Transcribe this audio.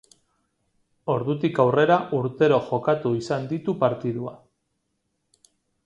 Ordutik aurrera urtero jokatu izan ditu partidua.